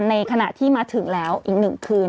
ในขณะที่มาถึงแล้วอีก๑คืน